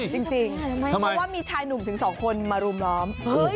เฮ้ยทำไมเพราะว่ามีชายหนุ่มถึงสองคนมารุมล้อม